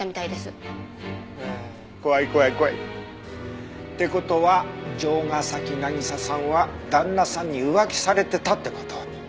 はあ怖い怖い怖い。って事は城ヶ崎渚さんは旦那さんに浮気されてたって事？